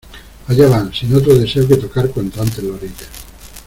allá van, sin otro deseo que tocar cuanto antes la orilla.